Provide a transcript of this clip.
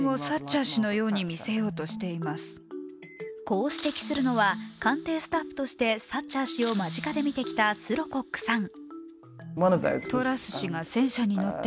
こう指摘するのは官邸スタッフとしてサッチャー氏を間近で見てきたスロコックさん。